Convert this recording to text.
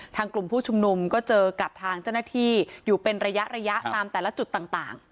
กลุ่มผู้ชุมนุมก็เจอกับทางเจ้าหน้าที่อยู่เป็นระยะระยะตามแต่ละจุดต่าง